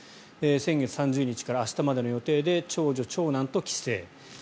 先月３０日から明日までの予定で長女、長男と帰省。